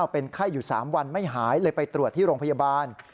เป็นไข้อยู่๓วันไม่หายเลยไปตรวจที่โรงพยาบาล